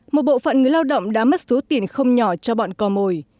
một bộ phận người lao động đã mất số tiền không nhỏ cho bọn cò mồi